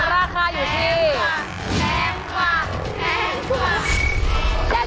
ราคาอยู่ที่